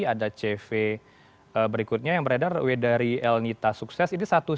ada cv berikutnya yang beredar w dari el nita sukses